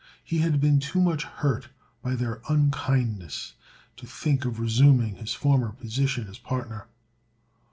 He had been too much hurt by their unkindness to think of resuming his former position as partner.